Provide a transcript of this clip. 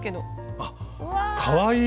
あっかわいい！